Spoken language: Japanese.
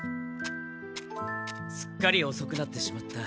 すっかりおそくなってしまった。